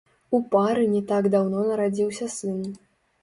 У пары не так даўно нарадзіўся сын.